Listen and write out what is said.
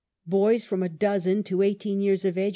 Boys from a dozen to eighteen years of age